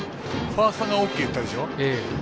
ファーストがＯＫ言ったでしょ。